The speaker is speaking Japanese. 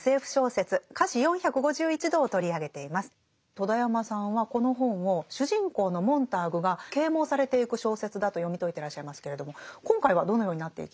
戸田山さんはこの本を主人公のモンターグが啓蒙されていく小説だと読み解いてらっしゃいますけれども今回はどのようになっていきますか？